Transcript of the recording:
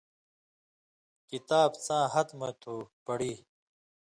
کِتاب څاں ہَتہۡ مہ تُھو، پڑی۔